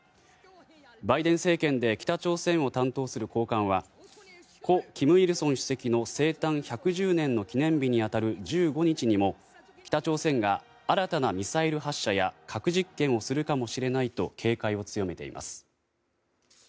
バイデン政権で北朝鮮を担当する高官は故・金日成主席の生誕１１０年の記念日に当たる１５日にも北朝鮮が新たなミサイル発射や核実験をするかもしれないと警戒を強めています。